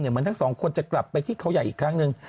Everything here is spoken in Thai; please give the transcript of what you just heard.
เหมือนทั้งสองคนจะกลับไปที่เขาใหญ่อีกครั้งหนึ่ง